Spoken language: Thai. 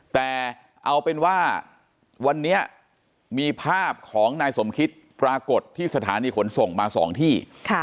แต่เอาเป็นว่าวันนี้มีภาพของนายสมคิตปรากฏที่สถานีขนส่งมา๒ที่